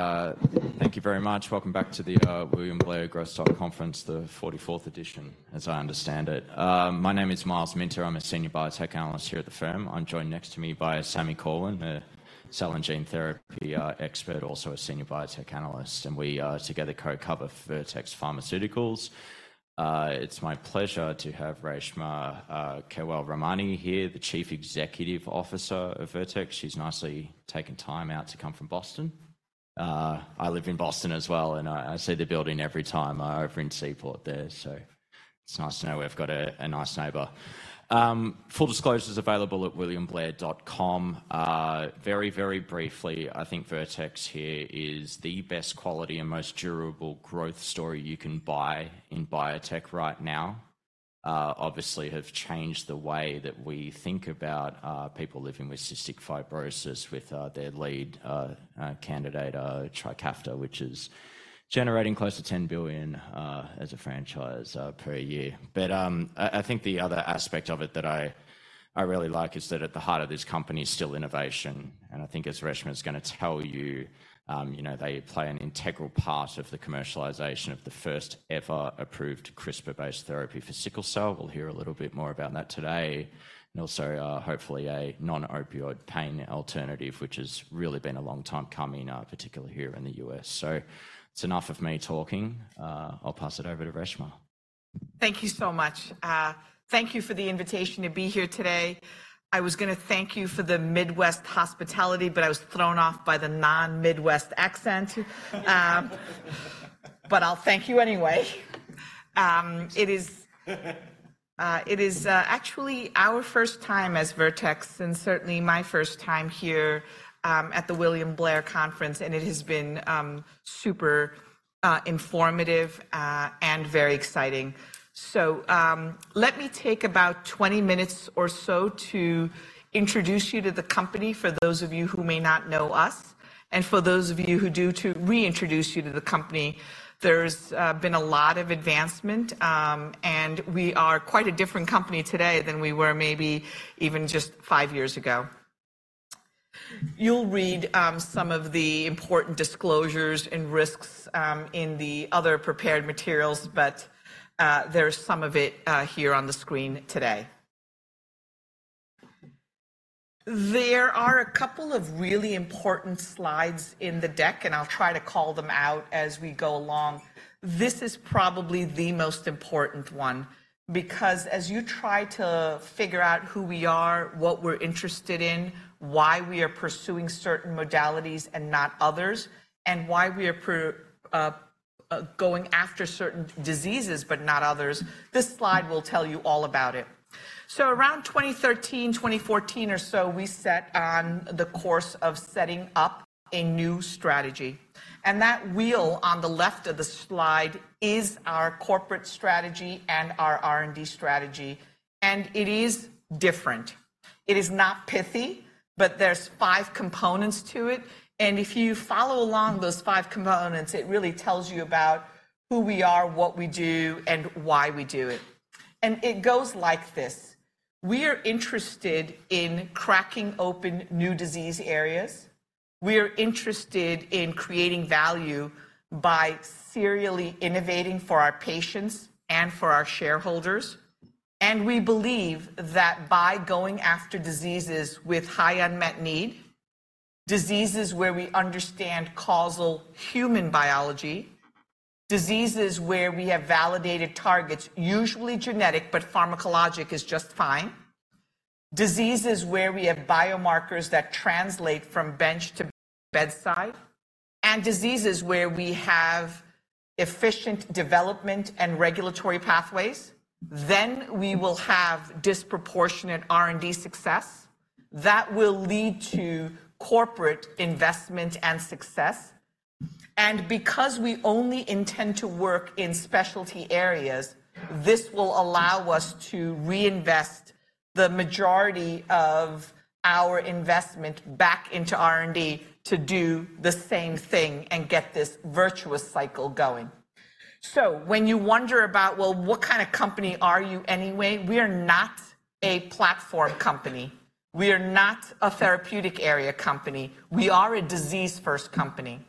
All right, thank you very much. Welcome back to the William Blair Growth Stock Conference, the 44th edition, as I understand it. My name is Myles Minter. I'm a senior biotech analyst here at the firm. I'm joined next to me by Sami Corwin, a cell and gene therapy expert, also a senior biotech analyst, and we together co-cover Vertex Pharmaceuticals. It's my pleasure to have Reshma Kewalramani here, the Chief Executive Officer of Vertex. She's nicely taken time out to come from Boston. I live in Boston as well, and I see the building every time over in Seaport there, so it's nice to know we've got a nice neighbor. Full disclosure is available at williamblair.com. Very, very briefly, I think Vertex here is the best quality and most durable growth story you can buy in biotech right now. Obviously have changed the way that we think about people living with cystic fibrosis, with their lead candidate Trikafta, which is generating close to $10 billion as a franchise per year. I think the other aspect of it that I really like is that at the heart of this company is still innovation, and I think as Reshma is gonna tell you, you know, they play an integral part of the commercialization of the first ever approved CRISPR-based therapy for sickle cell. We'll hear a little bit more about that today. Also, hopefully, a non-opioid pain alternative, which has really been a long time coming, particularly here in the U.S. That's enough of me talking. I'll pass it over to Reshma. Thank you so much. Thank you for the invitation to be here today. I was gonna thank you for the Midwest hospitality, but I was thrown off by the non-Midwest accent. But I'll thank you anyway. It is actually our first time as Vertex and certainly my first time here at the William Blair Conference, and it has been super informative and very exciting. So, let me take about 20 minutes or so to introduce you to the company, for those of you who may not know us, and for those of you who do, to reintroduce you to the company. There's been a lot of advancement, and we are quite a different company today than we were maybe even just five years ago. You'll read some of the important disclosures and risks in the other prepared materials, but there's some of it here on the screen today. There are a couple of really important slides in the deck, and I'll try to call them out as we go along. This is probably the most important one, because as you try to figure out who we are, what we're interested in, why we are pursuing certain modalities and not others, and why we are going after certain diseases but not others, this slide will tell you all about it. So around 2013, 2014 or so, we set on the course of setting up a new strategy, and that wheel on the left of the slide is our corporate strategy and our R&D strategy, and it is different. It is not pithy, but there's five components to it, and if you follow along those five components, it really tells you about who we are, what we do, and why we do it. And it goes like this: we are interested in cracking open new disease areas, we are interested in creating value by serially innovating for our patients and for our shareholders, and we believe that by going after diseases with high unmet need, diseases where we understand causal human biology, diseases where we have validated targets, usually genetic, but pharmacologic is just fine, diseases where we have biomarkers that translate from bench to bedside, and diseases where we have efficient development and regulatory pathways, then we will have disproportionate R&D success. That will lead to corporate investment and success, and because we only intend to work in specialty areas, this will allow us to reinvest the majority of our investment back into R&D to do the same thing and get this virtuous cycle going. So when you wonder about, "Well, what kind of company are you anyway?" We are not a platform company. We are not a therapeutic area company. We are a disease-first company.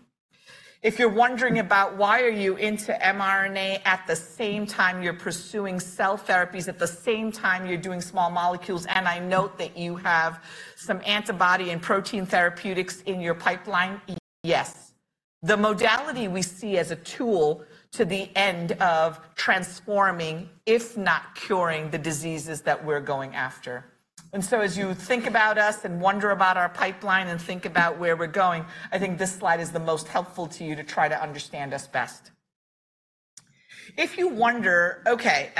If you're wondering about: Why are you into mRNA at the same time you're pursuing cell therapies, at the same time you're doing small molecules, and I note that you have some antibody and protein therapeutics in your pipeline? Yes. The modality we see as a tool to the end of transforming, if not curing, the diseases that we're going after. And so as you think about us and wonder about our pipeline and think about where we're going, I think this slide is the most helpful to you to try to understand us best. If you wonder, "Okay,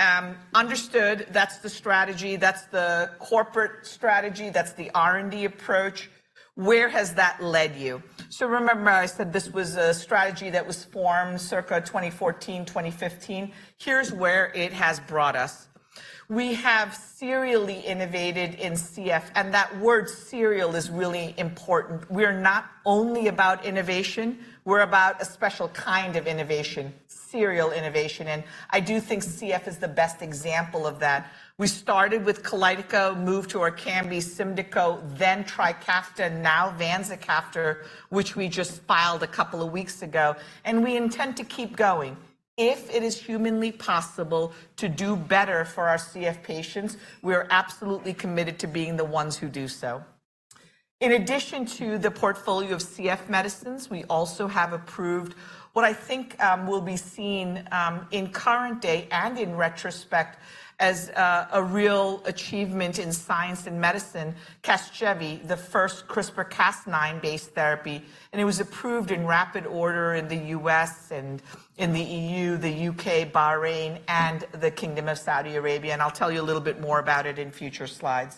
understood, that's the strategy, that's the corporate strategy, that's the R&D approach. Where has that led you?" So remember I said this was a strategy that was formed circa 2014, 2015. Here's where it has brought us. We have serially innovated in CF, and that word "serial" is really important. We are not only about innovation, we're about a special kind of innovation, serial innovation, and I do think CF is the best example of that. We started with Kalydeco, moved to Orkambi, Symdeko, then Trikafta, now vanzacaftor, which we just filed a couple of weeks ago, and we intend to keep going.... If it is humanly possible to do better for our CF patients, we are absolutely committed to being the ones who do so. In addition to the portfolio of CF medicines, we also have approved what I think will be seen in current day and in retrospect as a real achievement in science and medicine, Casgevy, the first CRISPR-Cas9-based therapy, and it was approved in rapid order in the U.S. and in the E.U., the U.K., Bahrain, and the Kingdom of Saudi Arabia, and I'll tell you a little bit more about it in future slides.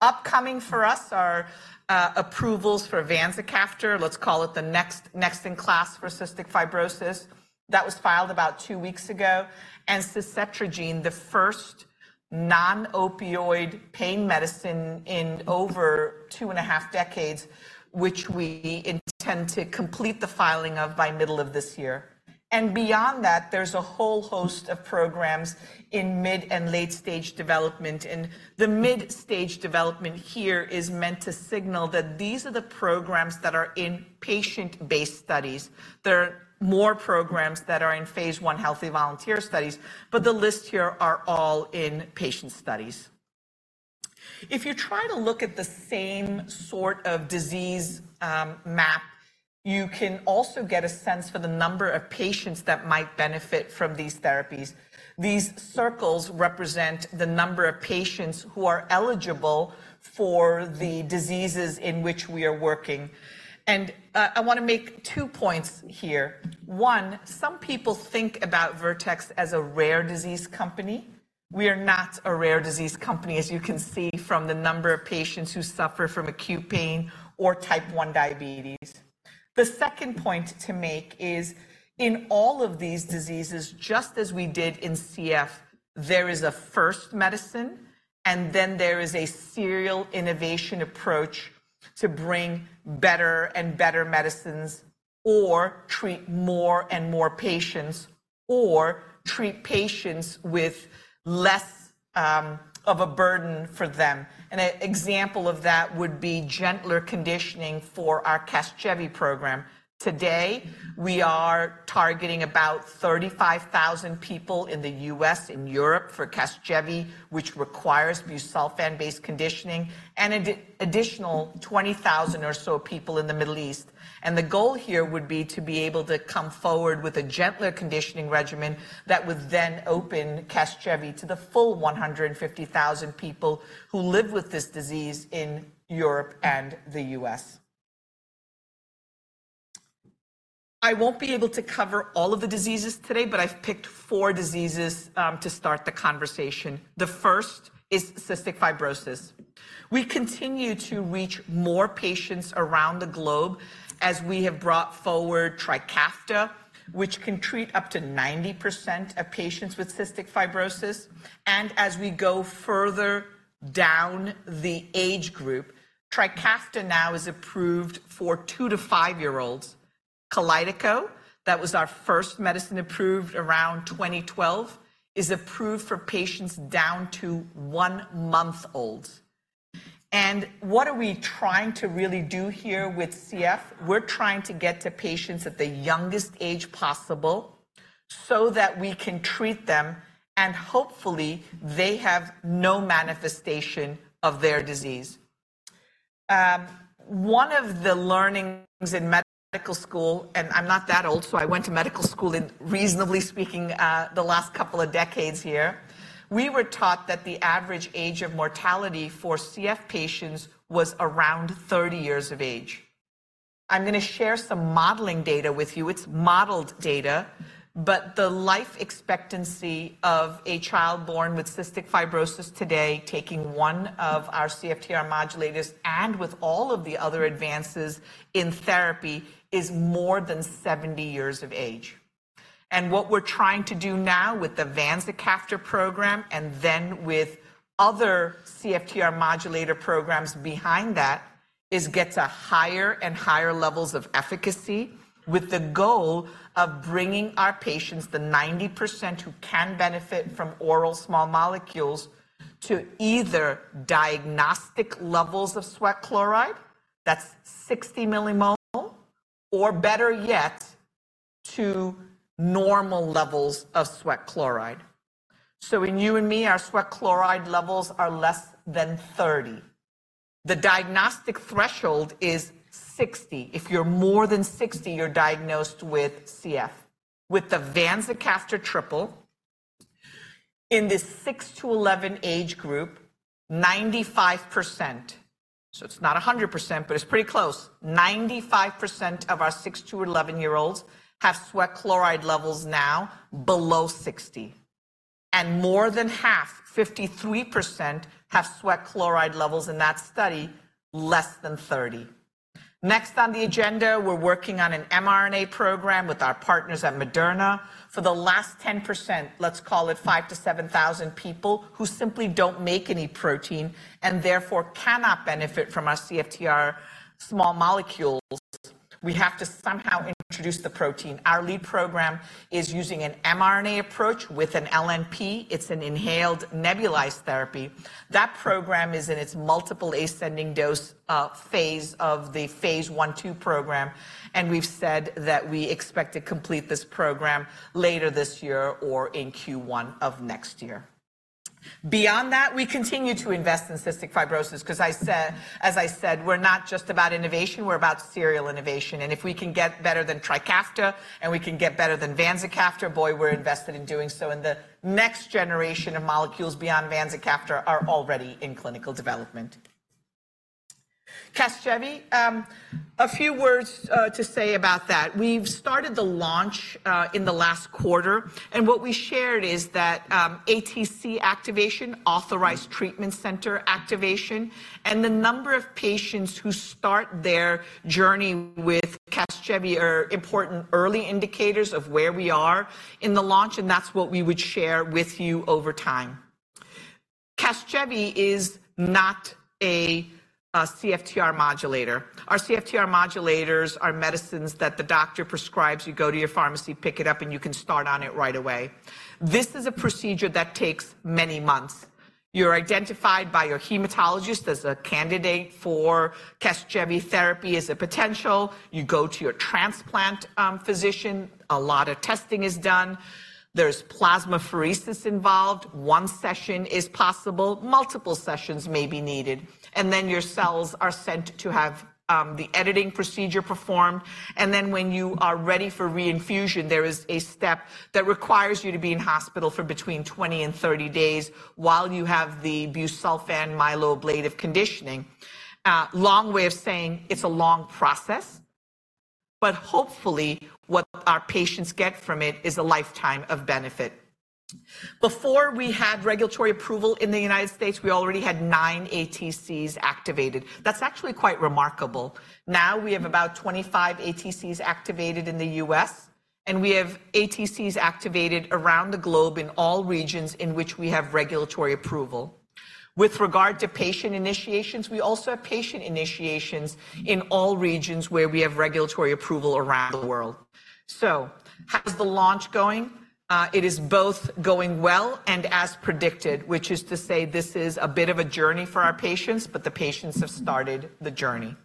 Upcoming for us are approvals for vanzacaftor, let's call it the next in class for cystic fibrosis. That was filed about two weeks ago. And suzetrigine, the first non-opioid pain medicine in over two and a half decades, which we intend to complete the filing of by middle of this year. And beyond that, there's a whole host of programs in mid- and late-stage development, and the mid-stage development here is meant to signal that these are the programs that are in patient-based studies. There are more programs that are in phase I healthy volunteer studies, but the list here are all in patient studies. If you try to look at the same sort of disease map, you can also get a sense for the number of patients that might benefit from these therapies. These circles represent the number of patients who are eligible for the diseases in which we are working. And, I want to make two points here. One, some people think about Vertex as a rare disease company. We are not a rare disease company, as you can see from the number of patients who suffer from acute pain or type 1 diabetes. The second point to make is, in all of these diseases, just as we did in CF, there is a first medicine, and then there is a serial innovation approach to bring better and better medicines, or treat more and more patients, or treat patients with less, of a burden for them. An example of that would be gentler conditioning for our Casgevy program. Today, we are targeting about 35,000 people in the U.S. and Europe for Casgevy, which requires busulfan-based conditioning, and an additional 20,000 or so people in the Middle East. The goal here would be to be able to come forward with a gentler conditioning regimen that would then open Casgevy to the full 150,000 people who live with this disease in Europe and the U.S. I won't be able to cover all of the diseases today, but I've picked four diseases to start the conversation. The first is cystic fibrosis. We continue to reach more patients around the globe as we have brought forward Trikafta, which can treat up to 90% of patients with cystic fibrosis. And as we go further down the age group, Trikafta now is approved for two- five-year-olds. Kalydeco, that was our first medicine approved around 2012, is approved for patients down to one month old. And what are we trying to really do here with CF? We're trying to get to patients at the youngest age possible so that we can treat them and hopefully they have no manifestation of their disease. One of the learnings in medical school, and I'm not that old, so I went to medical school in, reasonably speaking, the last couple of decades here, we were taught that the average age of mortality for CF patients was around 30 years of age. I'm going to share some modeling data with you. It's modeled data, but the life expectancy of a child born with cystic fibrosis today, taking one of our CFTR modulators, and with all of the other advances in therapy, is more than 70 years of age. What we're trying to do now with the vanzacaftor program, and then with other CFTR modulator programs behind that, is get to higher and higher levels of efficacy, with the goal of bringing our patients, the 90% who can benefit from oral small molecules, to either diagnostic levels of sweat chloride, that's 60 millimole, or better yet, to normal levels of sweat chloride. In you and me, our sweat chloride levels are less than 30. The diagnostic threshold is 60. If you're more than 60, you're diagnosed with CF. With the vanzacaftor triple, in the six-11 age group, 95%, so it's not 100%, but it's pretty close. 95% of our 6-11-year-olds have sweat chloride levels now below 60, and more than half, 53%, have sweat chloride levels in that study, less than 30. Next on the agenda, we're working on an mRNA program with our partners at Moderna. For the last 10%, let's call it 5,000-7,000 people who simply don't make any protein and therefore cannot benefit from our CFTR small molecules, we have to somehow introduce the protein. Our lead program is using an mRNA approach with an LNP. It's an inhaled nebulized therapy. That program is in its multiple ascending dose phase of the phase I/II program, and we've said that we expect to complete this program later this year or in Q1 of next year. Beyond that, we continue to invest in cystic fibrosis because I said, as I said, we're not just about innovation, we're about serial innovation, and if we can get better than Trikafta, and we can get better than vanzacaftor, boy, we're invested in doing so, and the next generation of molecules beyond vanzacaftor are already in clinical development. Casgevy, a few words to say about that. We've started the launch in the last quarter, and what we shared is that, ATC activation, Authorized Treatment Center activation, and the number of patients who start their journey with Casgevy are important early indicators of where we are in the launch, and that's what we would share with you over time. Casgevy is not a CFTR modulator. Our CFTR modulators are medicines that the doctor prescribes. You go to your pharmacy, pick it up, and you can start on it right away. This is a procedure that takes many months. You're identified by your hematologist as a candidate for Casgevy therapy as a potential. You go to your transplant physician, a lot of testing is done. There's plasmapheresis involved. One session is possible. Multiple sessions may be needed, and then your cells are sent to have the editing procedure performed. And then, when you are ready for reinfusion, there is a step that requires you to be in hospital for between 20 and 30 days while you have the busulfan myeloablative conditioning. Long way of saying it's a long process, but hopefully, what our patients get from it is a lifetime of benefit. Before we had regulatory approval in the United States, we already had 9 ATCs activated. That's actually quite remarkable. Now, we have about 25 ATCs activated in the U.S., and we have ATCs activated around the globe in all regions in which we have regulatory approval. With regard to patient initiations, we also have patient initiations in all regions where we have regulatory approval around the world. So how is the launch going? It is both going well and as predicted, which is to say this is a bit of a journey for our patients, but the patients have started the journey.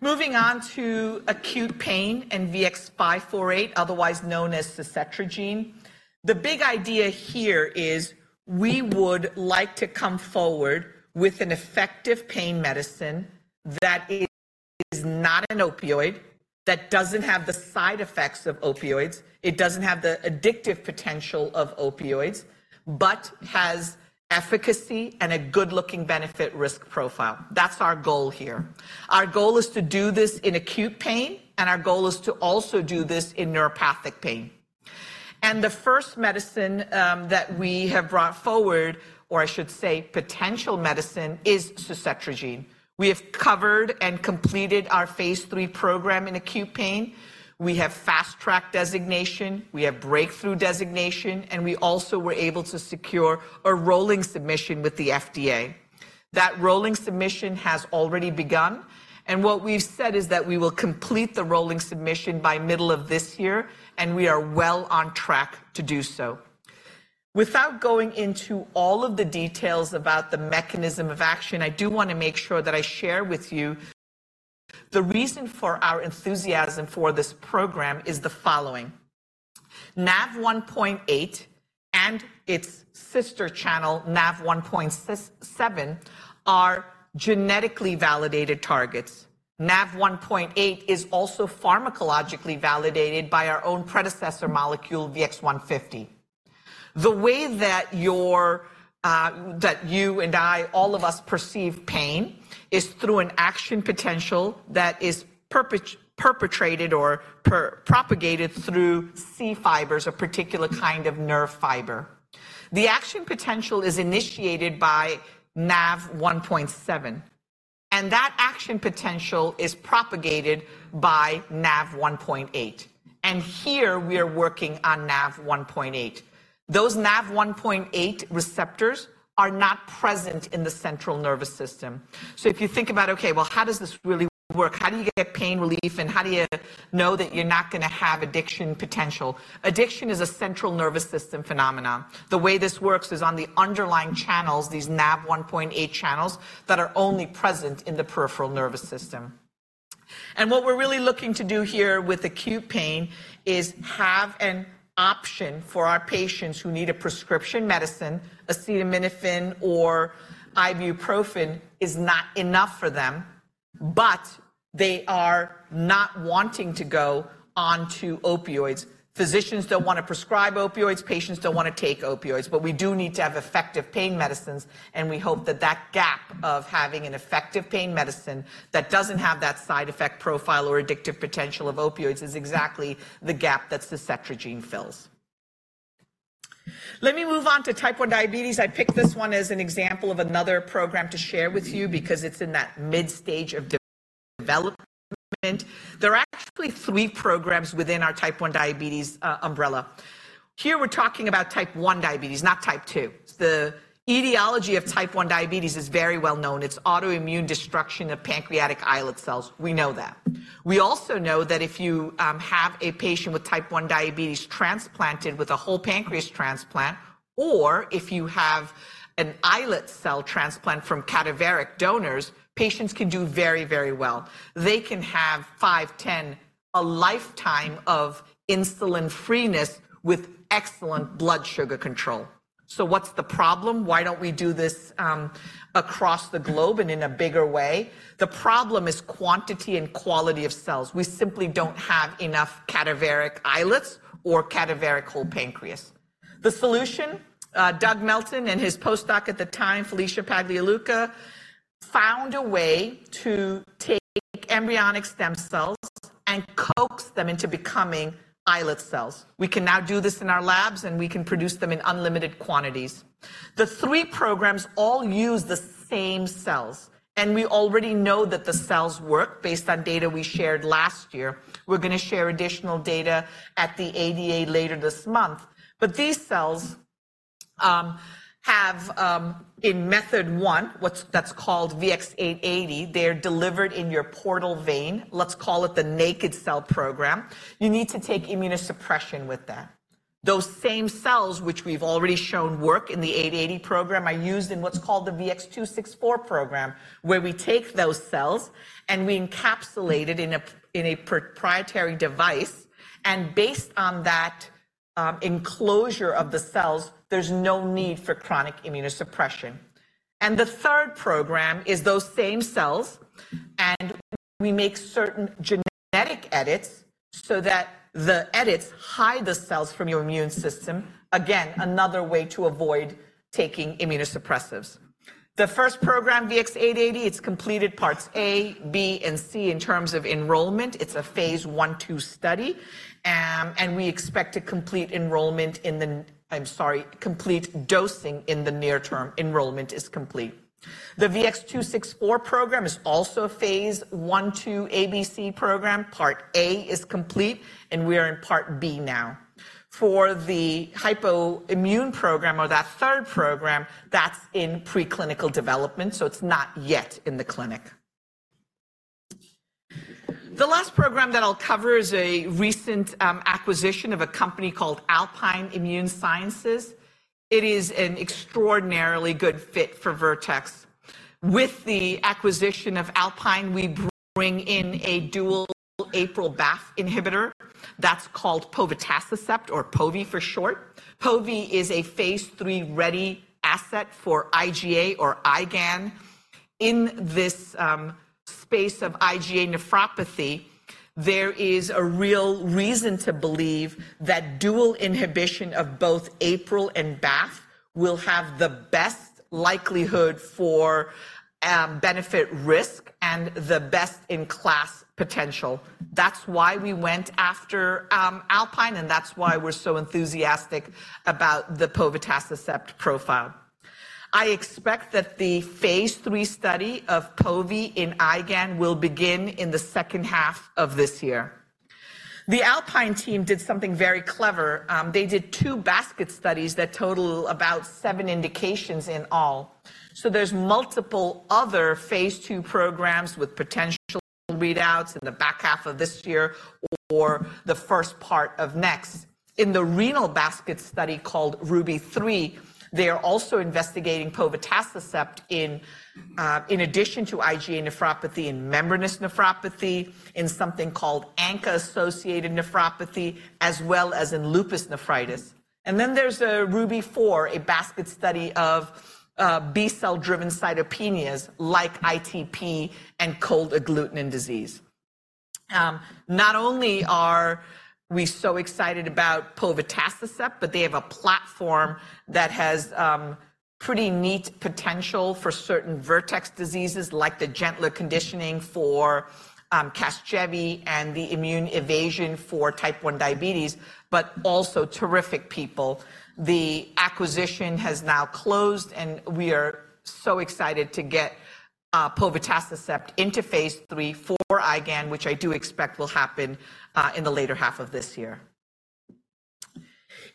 Moving on to acute pain and VX-548, otherwise known as suzetrigine. The big idea here is we would like to come forward with an effective pain medicine that is not an opioid, that doesn't have the side effects of opioids. It doesn't have the addictive potential of opioids, but has efficacy and a good-looking benefit-risk profile. That's our goal here. Our goal is to do this in acute pain, and our goal is to also do this in neuropathic pain. The first medicine, that we have brought forward, or I should say, potential medicine, is suzetrigine. We have covered and completed our phase 3 program in acute pain. We have Fast Track designation, we have Breakthrough designation, and we also were able to secure a rolling submission with the FDA. That rolling submission has already begun, and what we've said is that we will complete the rolling submission by middle of this year, and we are well on track to do so. Without going into all of the details about the mechanism of action, I do want to make sure that I share with you the reason for our enthusiasm for this program is the following: Nav1.8 and its sister channel, Nav1.7, are genetically validated targets. Nav1.8 is also pharmacologically validated by our own predecessor molecule, VX-150. The way that you and I, all of us perceive pain, is through an action potential that is propagated through C fibers, a particular kind of nerve fiber. The action potential is initiated by Nav1.7, and that action potential is propagated by Nav1.8, and here we are working on Nav1.8. Those Nav1.8 receptors are not present in the central nervous system. So if you think about, "Okay, well, how does this really work? How do you get pain relief, and how do you know that you're not gonna have addiction potential?" Addiction is a central nervous system phenomenon. The way this works is on the underlying channels, these Nav1.8 channels, that are only present in the peripheral nervous system. What we're really looking to do here with acute pain is have an option for our patients who need a prescription medicine, acetaminophen or ibuprofen is not enough for them, but they are not wanting to go onto opioids. Physicians don't want to prescribe opioids, patients don't want to take opioids, but we do need to have effective pain medicines, and we hope that that gap of having an effective pain medicine that doesn't have that side effect profile or addictive potential of opioids is exactly the gap that suzetrigine fills. Let me move on to type one diabetes. I picked this one as an example of another program to share with you because it's in that mid stage of development. There are actually three programs within our type one diabetes umbrella. Here, we're talking about type one diabetes, not type two. The etiology of type one diabetes is very well known. It's autoimmune destruction of pancreatic islet cells. We know that. We also know that if you have a patient with type one diabetes transplanted with a whole pancreas transplant. Or if you have an islet cell transplant from cadaveric donors, patients can do very, very well. They can have five, 10, a lifetime of insulin freeness with excellent blood sugar control. So what's the problem? Why don't we do this across the globe and in a bigger way? The problem is quantity and quality of cells. We simply don't have enough cadaveric islets or cadaveric whole pancreas. The solution, Doug Melton and his postdoc at the time, Felicia Pagliuca, found a way to take embryonic stem cells and coax them into becoming islet cells. We can now do this in our labs, and we can produce them in unlimited quantities. The three programs all use the same cells, and we already know that the cells work based on data we shared last year. We're going to share additional data at the ADA later this month. But these cells have, in method one, what's, that's called VX-880, they're delivered in your portal vein. Let's call it the naked cell program. You need to take immunosuppression with that. Those same cells, which we've already shown work in the VX-880 program, are used in what's called the VX-264 program, where we take those cells and we encapsulate it in a proprietary device, and based on that enclosure of the cells, there's no need for chronic immunosuppression. The third program is those same cells, and we make certain genetic edits so that the edits hide the cells from your immune system. Again, another way to avoid taking immunosuppressives. The first program, VX-880, it's completed parts A, B, and C in terms of enrollment. It's a phase I/II study, and we expect to complete enrollment in the... I'm sorry, complete dosing in the near term. Enrollment is complete. The VX-264 program is also a phase I/II, A, B, C program. Part A is complete, and we are in part B now. For the hypoimmune program or that third program, that's in preclinical development, so it's not yet in the clinic. The last program that I'll cover is a recent acquisition of a company called Alpine Immune Sciences. It is an extraordinarily good fit for Vertex. With the acquisition of Alpine, we bring in a dual APRIL/BAFF inhibitor that's called povotacicept or Povi for short. Povi is a phase III-ready asset for IgA or IgAN. In this space of IgA nephropathy, there is a real reason to believe that dual inhibition of both APRIL and BAFF will have the best likelihood for benefit-risk and the best-in-class potential. That's why we went after Alpine, and that's why we're so enthusiastic about the povotacicept profile. I expect that the phase III study of Povi in IgAN will begin in the second half of this year. The Alpine team did something very clever. They did two basket studies that total about seven indications in all. So there's multiple other phase II programs with potential readouts in the back half of this year or the first part of next. In the renal basket study called RUBY-3, they are also investigating povotacicept in, in addition to IgA nephropathy, in membranous nephropathy, in something called ANCA-associated nephropathy, as well as in lupus nephritis. And then there's RUBY-4, a basket study of B-cell-driven cytopenias, like ITP and cold agglutinin disease. Not only are we so excited about povotacicept, but they have a platform that has pretty neat potential for certain Vertex diseases, like the gentler conditioning for Casgevy and the immune evasion for type one diabetes, but also terrific people. The acquisition has now closed, and we are so excited to get povotacicept into Phase III for IgAN, which I do expect will happen in the later half of this year.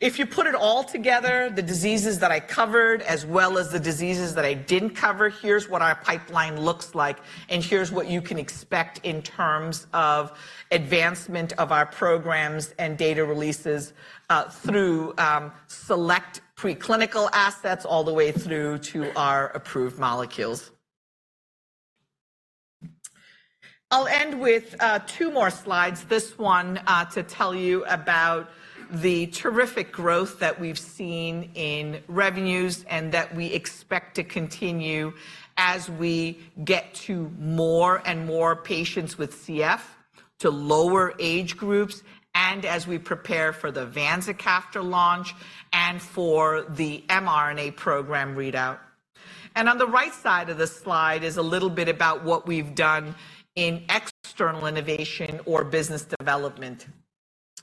If you put it all together, the diseases that I covered, as well as the diseases that I didn't cover, here's what our pipeline looks like, and here's what you can expect in terms of advancement of our programs and data releases, through select preclinical assets all the way through to our approved molecules. I'll end with two more slides, this one, to tell you about the terrific growth that we've seen in revenues and that we expect to continue as we get to more and more patients with CF, to lower age groups, and as we prepare for the vanzacaftor launch and for the mRNA program readout. And on the right side of the slide is a little bit about what we've done in external innovation or business development.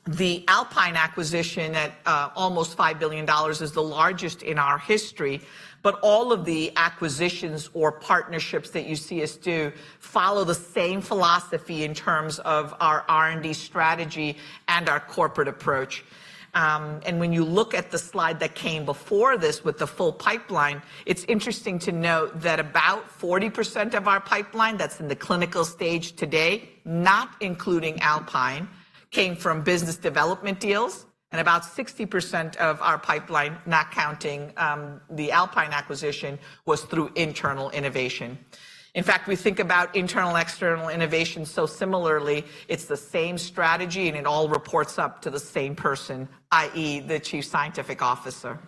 The Alpine acquisition at almost $5 billion is the largest in our history, but all of the acquisitions or partnerships that you see us do follow the same philosophy in terms of our R&D strategy and our corporate approach. When you look at the slide that came before this with the full pipeline, it's interesting to note that about 40% of our pipeline that's in the clinical stage today, not including Alpine, came from business development deals, and about 60% of our pipeline, not counting the Alpine acquisition, was through internal innovation. In fact, we think about internal-external innovation, so similarly, it's the same strategy, and it all reports up to the same person, i.e., the chief scientific officer.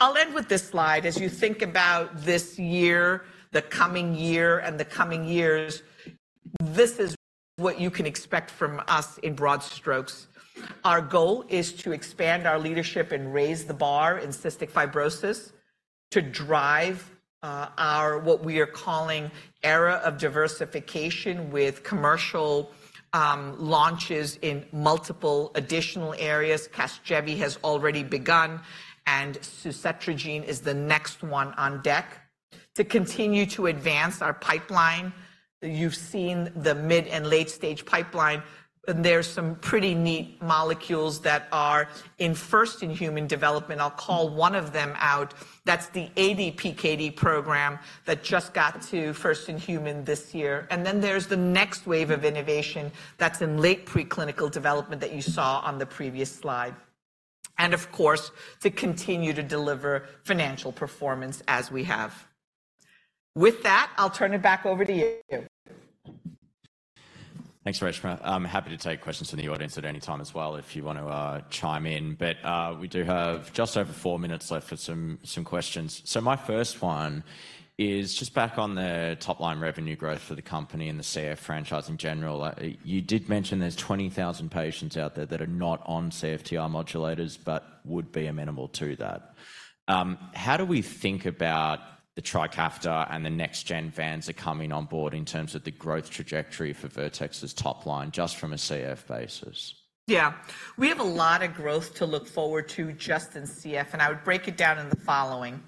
I'll end with this slide. As you think about this year, the coming year, and the coming years, this is what you can expect from us in broad strokes. Our goal is to expand our leadership and raise the bar in cystic fibrosis, to drive our, what we are calling era of diversification with commercial launches in multiple additional areas. Casgevy has already begun, and suzetrigine is the next one on deck. To continue to advance our pipeline, you've seen the mid- and late-stage pipeline, and there's some pretty neat molecules that are in first-in-human development. I'll call one of them out. That's the ADPKD program that just got to first-in-human this year. And then there's the next wave of innovation that's in late preclinical development that you saw on the previous slide. And of course, to continue to deliver financial performance as we have. With that, I'll turn it back over to you. Thanks, Reshma. I'm happy to take questions from the audience at any time as well, if you want to chime in. But we do have just over four minutes left for some, some questions. So my first one is just back on the top-line revenue growth for the company and the CF franchise in general. You did mention there's 20,000 patients out there that are not on CFTR modulators, but would be amenable to that. How do we think about the Trikafta and the next gen vanzacaftor are coming on board in terms of the growth trajectory for Vertex's top line, just from a CF basis? Yeah. We have a lot of growth to look forward to just in CF, and I would break it down in the following.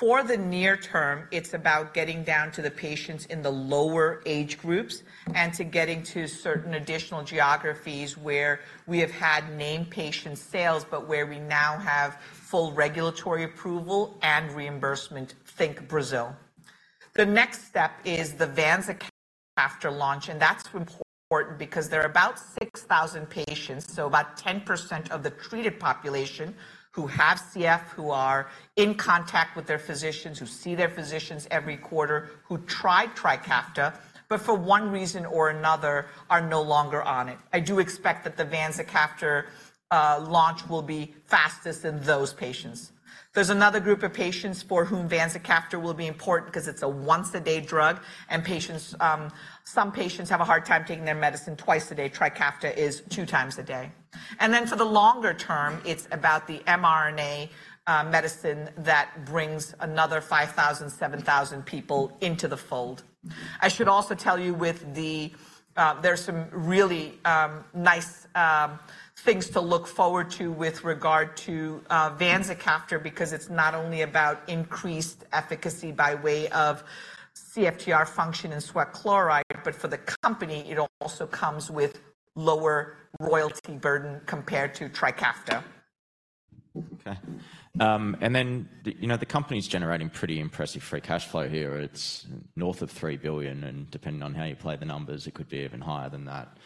For the near term, it's about getting down to the patients in the lower age groups and to getting to certain additional geographies where we have had named patient sales, but where we now have full regulatory approval and reimbursement. Think Brazil. The next step is the vanzacaftor launch, and that's important because there are about 6,000 patients, so about 10% of the treated population, who have CF, who are in contact with their physicians, who see their physicians every quarter, who tried Trikafta, but for one reason or another, are no longer on it. I do expect that the vanzacaftor launch will be fastest in those patients. There's another group of patients for whom vanzacaftor will be important because it's a once-a-day drug, and patients, some patients have a hard time taking their medicine twice a day. Trikafta is two times a day. And then, for the longer term, it's about the mRNA medicine that brings another 5,000, 7,000 people into the fold. I should also tell you there are some really nice things to look forward to with regard to vanzacaftor, because it's not only about increased efficacy by way of CFTR function in sweat chloride, but for the company, it also comes with lower royalty burden compared to Trikafta. Okay. And then, the, you know, the company's generating pretty impressive free cash flow here. It's north of $3 billion, and depending on how you play the numbers, it could be even higher than that.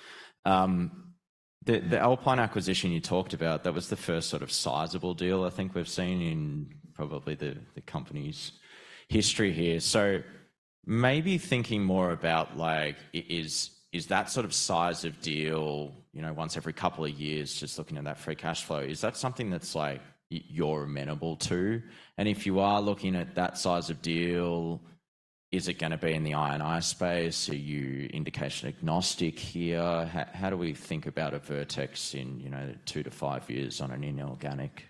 The, the Alpine acquisition you talked about, that was the first sort of sizable deal I think we've seen in probably the, the company's history here. So maybe thinking more about, like, is that sort of size of deal, you know, once every couple of years, just looking at that free cash flow, is that something that's like you're amenable to? And if you are looking at that size of deal, is it gonna be in the I&I space? Are you indication agnostic here? How, how do we think about a Vertex in, you know, 2-5 years on an inorganic-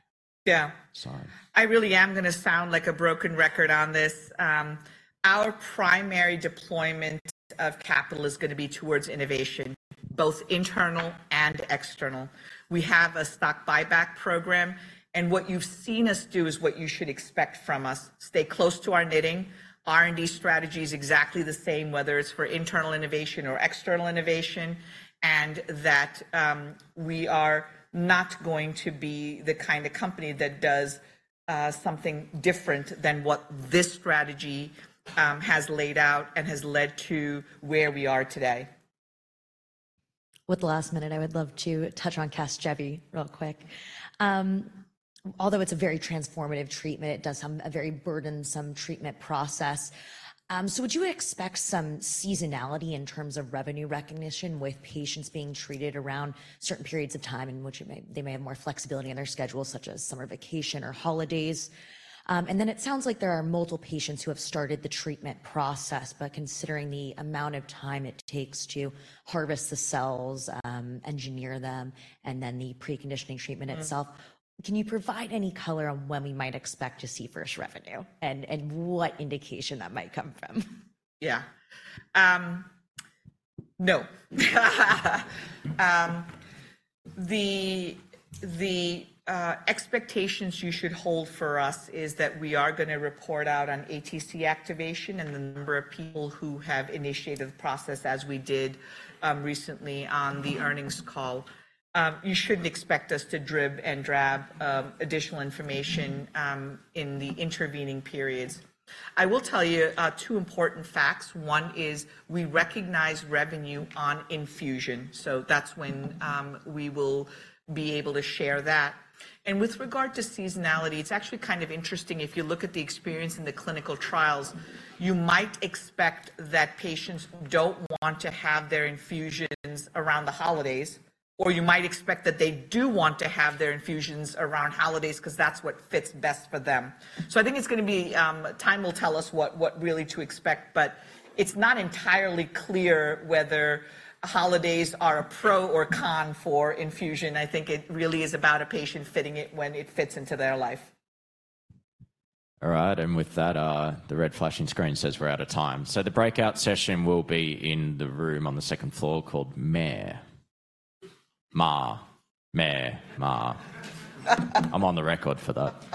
Yeah -side? I really am gonna sound like a broken record on this. Our primary deployment of capital is gonna be towards innovation, both internal and external. We have a stock buyback program, and what you've seen us do is what you should expect from us. Stay close to our knitting. R&D strategy is exactly the same, whether it's for internal innovation or external innovation, and that, we are not going to be the kind of company that does, something different than what this strategy, has laid out and has led to where we are today. With the last minute, I would love to touch on Casgevy real quick. Although it's a very transformative treatment, it does have a very burdensome treatment process. So would you expect some seasonality in terms of revenue recognition with patients being treated around certain periods of time in which they may have more flexibility in their schedule, such as summer vacation or holidays? And then it sounds like there are multiple patients who have started the treatment process, but considering the amount of time it takes to harvest the cells, engineer them, and then the preconditioning treatment itself. Mm-hmm. Can you provide any color on when we might expect to see first revenue, and what indication that might come from? Yeah. No. The expectations you should hold for us is that we are gonna report out on ATC activation and the number of people who have initiated the process, as we did recently on the earnings call. You shouldn't expect us to drib and drab additional information in the intervening periods. I will tell you two important facts. One is, we recognize revenue on infusion, so that's when we will be able to share that. And with regard to seasonality, it's actually kind of interesting. If you look at the experience in the clinical trials, you might expect that patients don't want to have their infusions around the holidays, or you might expect that they do want to have their infusions around holidays 'cause that's what fits best for them. So I think it's gonna be... Time will tell us what really to expect, but it's not entirely clear whether holidays are a pro or con for infusion. I think it really is about a patient fitting it when it fits into their life. All right, and with that, the red flashing screen says we're out of time. So the breakout session will be in the room on the second floor called Meier. I'm on the record for that.